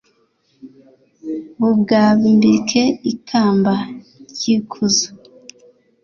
bukwambike ikamba ry'ikuzo